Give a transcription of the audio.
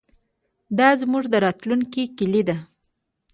دا زموږ د راتلونکي کلي ده.